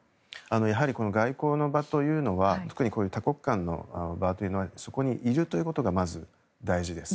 やはりこの外交の場というのは特にこういう多国間の場というのはそこにいるということがまず大事です。